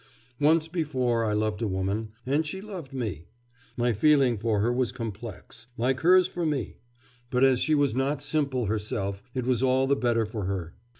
'Once before I loved a woman, and she loved me. My feeling for her was complex, like hers for me; but, as she was not simple herself, it was all the better for her.